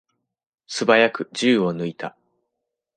すばやく銃を抜いた。